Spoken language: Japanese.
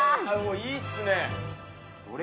いいっすね。